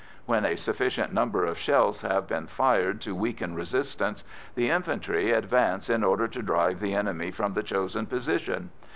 When a sufficient number of shells have been fired to weaken resistance, the infantry advance in order to drive the enemy from the chosen position.